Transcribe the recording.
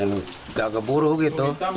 nggak keburu gitu